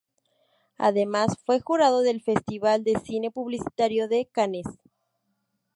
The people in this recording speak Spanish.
Además fue jurado del Festival de Cine Publicitario de Cannes.